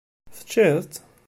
Teččiḍ-tt?